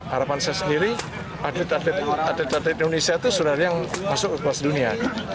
harapan saya sendiri atlet atlet indonesia itu sudah ada yang masuk ke kelas dunia